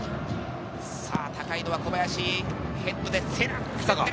高いのを小林、ヘッドで競る。